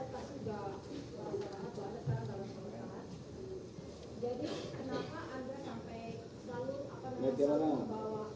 pak cemela kamu jadi seperti region senilai